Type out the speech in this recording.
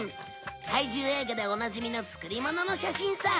怪獣映画でおなじみの作りものの写真さ。